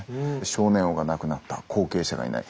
少年王が亡くなった後継者がいない。